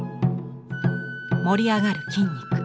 盛り上がる筋肉。